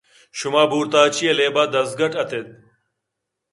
شُما بورتاچی ءِ لیب ءَ دزگٹّ اِت اِت۔